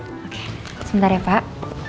oke sebentar ya pak